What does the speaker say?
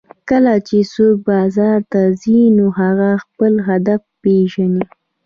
کله چې څوک بازار ته ځي نو هغه خپل هدف پېژني